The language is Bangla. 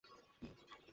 তথ্য প্রায় পেয়ে গেছি।